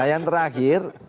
nah yang terakhir